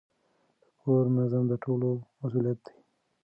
د کور نظم د ټولو مسئولیت دی.